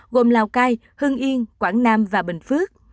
gồm lào cai hưng yên quảng nam và bình phước